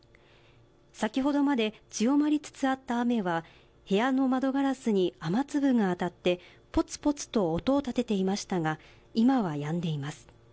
先ほどまで強まりつつあった雨は部屋の窓ガラスに雨粒があたってぽつぽつと音を立てていましたが今は、やんでいます。